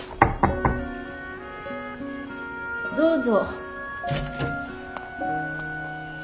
・どうぞ。